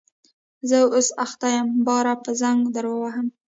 زه اوس اخته یم باره به زنګ در ووهم